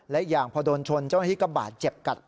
และอย่างพอโดนชนเจ้าหน้าที่ก็บาดเจ็บกัด